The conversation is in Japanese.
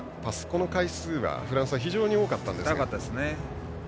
この回数はフランスが非常に多かったんですが。